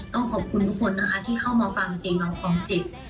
ต้องขอบคุณทุกคนนะคะที่เข้ามาฟังกลางความเจ็บ